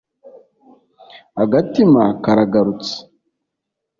agatima karagarutse